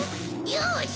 よし！